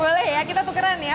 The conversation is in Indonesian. oh boleh ya kita tukeran ya